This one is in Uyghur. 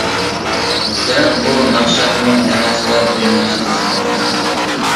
بىراق، بۇ ناخشاممۇ ئەمەسلا بىرنېمە بولاتتى.